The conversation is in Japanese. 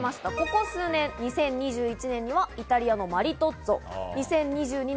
ここ数年、２０２１年イタリアのマリトッツォ、２０１２年